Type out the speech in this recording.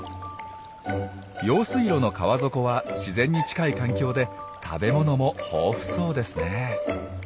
用水路の川底は自然に近い環境で食べ物も豊富そうですね。